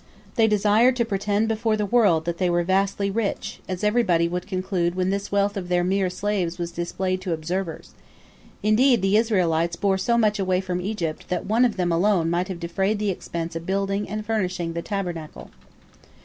They desired to pretend before the world that they were vastly rich, as everybody would conclude when this wealth of their mere slaves was displayed to observers. Indeed, the Israelites bore so much away from Egypt that one of them alone might have defrayed the expense of building and furnishing the Tabernacle.